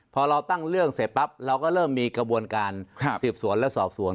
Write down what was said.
พอเราตั้งเรื่องเสร็จปั๊บเราก็เริ่มมีกระบวนการสืบสวนและสอบสวน